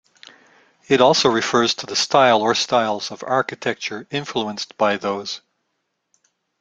It also refers to the style or styles of architecture influenced by those.